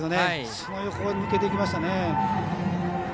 その横を抜けていきましたね。